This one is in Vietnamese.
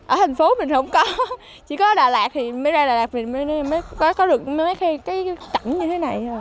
ở thành phố mình không có chỉ có ở đà lạt thì mới ra đà lạt mới có được mấy cái cảnh như thế này